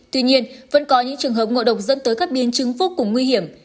tuy nhiên vẫn có những trường hợp ngộ độc dẫn tới các biến chứng vô cùng nguy hiểm